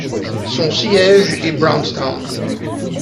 Son siège est Brownstown.